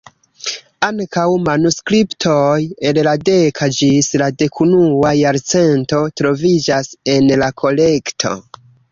Ankaŭ manuskriptoj el la deka ĝis la dekunua jarcento troviĝas en la kolekto.